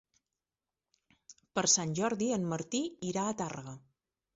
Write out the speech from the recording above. Per Sant Jordi en Martí irà a Tàrrega.